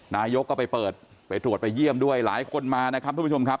นายกก็ไปเปิดไปตรวจไปเยี่ยมด้วยหลายคนมานะครับทุกผู้ชมครับ